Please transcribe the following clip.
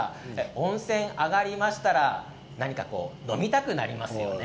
温泉上がりましたら何か飲みたくなりますよね。